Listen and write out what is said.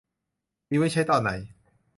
มีไว้ใช้ตอนไหน